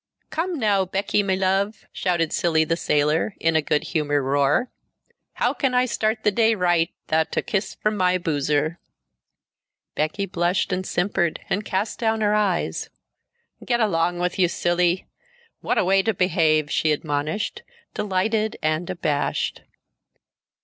"Come now, Becky me love!" shouted Cilley the sailor in a good humored roar, "How can I start the day right 'thout a kiss from my Boozer?" Becky blushed and simpered and cast down her eyes. "Get along with you, Cilley! What a way to behave," she admonished, delighted and abashed.